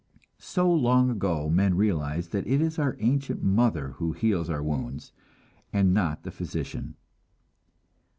So long ago men realized that it is our ancient mother who heals our wounds, and not the physician.